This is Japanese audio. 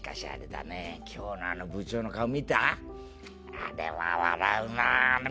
「あれは笑うなあ」。